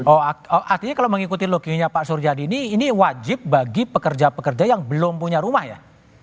oh artinya kalau mengikuti loginya pak suryadi ini ini wajib bagi pekerja pekerja yang belum punya rumah ya